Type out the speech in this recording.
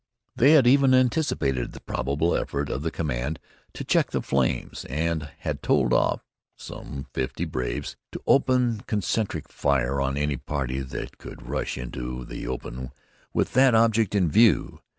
They had even anticipated the probable effort of the command to check the flames, and had told off some fifty braves to open concentric fire on any party that should rush into the open with that object in view.